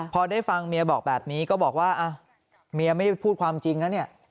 พอได้ฟังเมียบอกแบบนี้ก็บอกว่าเมียไม่พูดความจริงนะเนี่ย